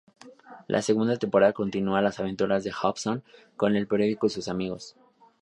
La segunda temporada continúa las aventuras de Hobson con el periódico y sus amigos.